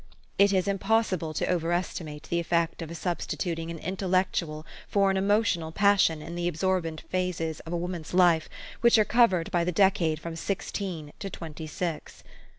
It is impossible to over estimate the effect of substi tuting an intellectual for an, emotional pagsion in the absorbent phases of a woman's life which are cov ered by the decade from sixteen to twenty six.